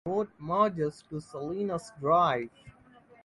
The road merges to Salinas Drive.